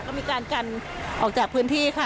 ก็มีการกันออกจากพื้นที่ค่ะ